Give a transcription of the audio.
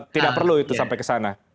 tidak perlu itu sampai ke sana